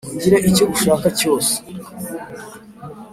ungire icyo ushaka cyose